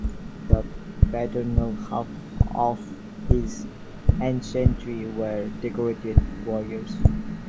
The paternal half of his ancestry were decorated warriors.